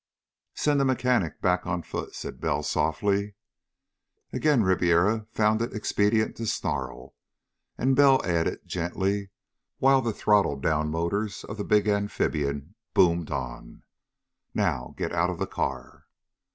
"Send the mechanic back, on foot," said Bell softly. Again Ribiera found it expedient to snarl. And Bell added, gently, while the throttled down motors of the big amphibian boomed on: "Now get out of the car."